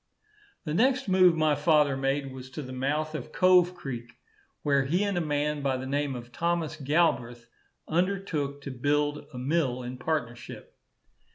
The next move my father made was to the mouth of Cove creek, where he and a man by the name of Thomas Galbreath undertook to build a mill in partnership.